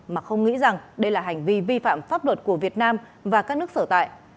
mà không nghĩ rằng đây là hành vi vi phạm pháp luật của việt nam và các nước sở tại